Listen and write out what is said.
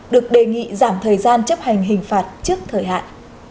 được đề nghị giảm thời gian chấp hành hình phạt trước thời hạn